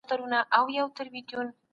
ایا تاسو کله ساحوي څېړنه کړې ده؟